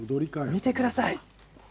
見てください。